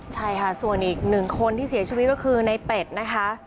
ใช่ค่ะส่วนอีกหนึ่งคนที่เสียชีวิตก็คือในเป็ดนะคะ